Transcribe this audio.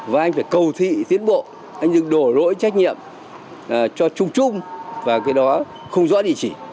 và anh phải cầu thị tiến bộ anh nhưng đổ lỗi trách nhiệm cho chung chung và cái đó không rõ địa chỉ